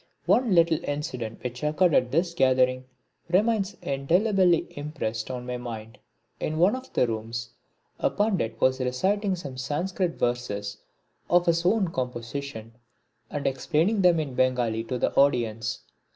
One little incident which occurred at this gathering remains indelibly impressed on my mind. In one of the rooms a Pandit was reciting some Sanskrit verses of his own composition and explaining them in Bengali to the audience.